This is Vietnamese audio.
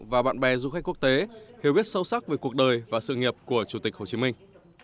và bạn bè du khách quốc tế hiểu biết sâu sắc về cuộc đời và sự nghiệp của chủ tịch hồ chí minh